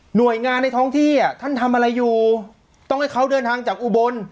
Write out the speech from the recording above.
หน่วยงานในท้องที่อ่ะท่านทำอะไรอยู่ต้องให้เขาเดินทางจากอุบล